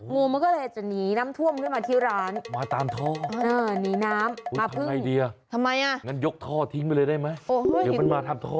งูมันก็เลยจะหนีนะ